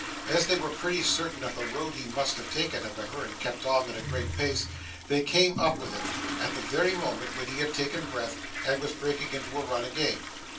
As they were pretty certain of the road he must have taken, however, and kept on at a great pace, they came up with him, at the very moment when he had taken breath, and was breaking into a run again.